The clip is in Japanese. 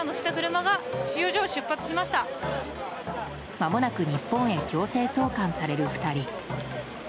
まもなく日本へ強制送還される２人。